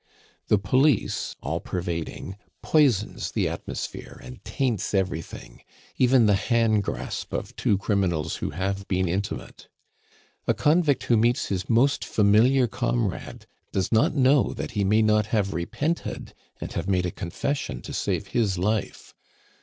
The police, all pervading, poisons the atmosphere and taints everything, even the hand grasp of two criminals who have been intimate. A convict who meets his most familiar comrade does not know that he may not have repented and have made a confession to save his life.